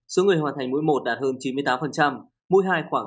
số người hoàn thành mũi một đạt hơn chín mươi tám mũi hai khoảng tám mươi